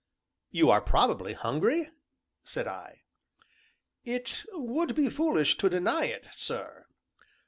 "You are probably hungry?" said I. "It would be foolish to deny it, sir."